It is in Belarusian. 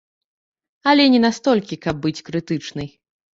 Але не настолькі, каб быць крытычнай.